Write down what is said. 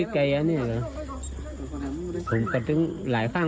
เขาลากไก่ที่ไปบ้าง